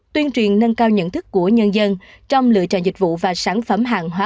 tuyên truyền nâng cao nhận thức của nhân dân trong lựa chọn dịch vụ và sản phẩm hàng hóa